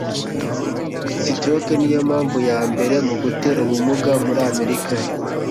Stroke niyo impamvu ya mbere mu gutera ubumuga muri America.